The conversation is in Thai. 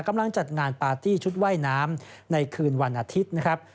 จัดงานปาร์ตี้ชุดว่ายน้ำในคืนวันอาทิตย์นะครับ